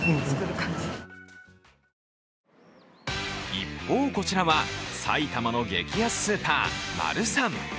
一方、こちらは埼玉の激安スーパー・マルサン。